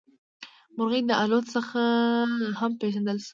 مرغۍ د الوت څخه هم پېژندلی شو.